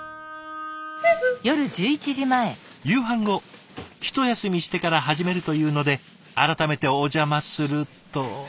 夕飯後一休みしてから始めるというので改めてお邪魔すると。